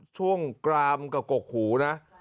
ช่วงกรามกับกรกหูนะ